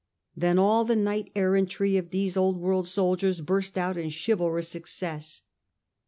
Then all the knight errantry of these old world soldiers burst out in chivalrous excess.